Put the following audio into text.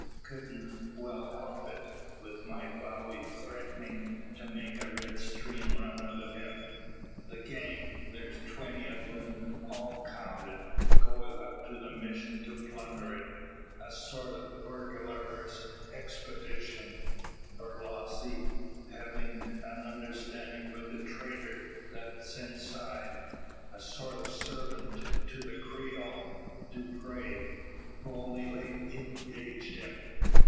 Ked'nt well help it, wi' my bowie threetenin' to make a red stream run out o' him. The gang thar's twenty o' 'em all counted goed up to the Mission to plunder it a sort o' burglarious expedishun; Borlasse hevin' a understandin' wi' a treetur that's inside a sort o' sarvint to the Creole, Dupray, who only late engaged him.